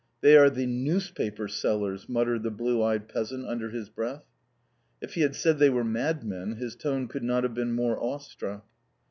"They are the Newspaper Sellers!" muttered the blue eyed peasant under his breath. If he had said they were madmen his tone could not have been more awestruck.